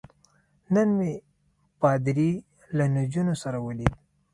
نن مې پادري له نجونو سره ولید.